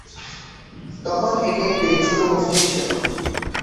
তখন এটি একটি ছোট মসজিদ ছিল।